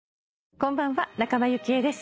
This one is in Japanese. こんばんは仲間由紀恵です。